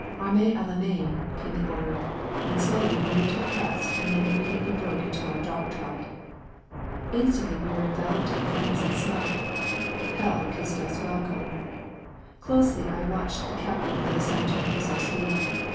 'Arme à la main!' came the order, and slowly we moved to the crest and then immediately broke into a dog trot. Instantly we were enveloped in flames and smoke. Hell kissed us welcome! Closely I watched the captain for the sign to increase our speed.